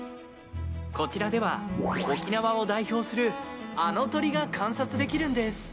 こちらでは、沖縄を代表するあの鳥が観察できるんです。